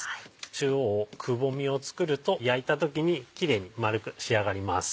中央をくぼみを作ると焼いた時にキレイに丸く仕上がります。